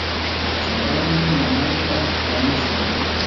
chaqannin nanaypam wanushqa.